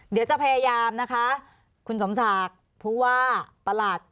เดี๋ยวจะพยายามนะคะคุณสมศักดิ์ผู้ว่าประหลัด